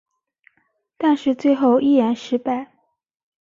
但是最后仍然失败。